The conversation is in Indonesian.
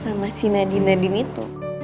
sama si nadinadin itu